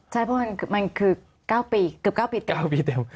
ใช่เพราะมันคือ๙ปีเกือบ๙ปี๙ปีเต็ม